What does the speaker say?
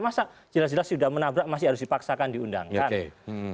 masa jelas jelas sudah menabrak masih harus dipaksakan diundangkan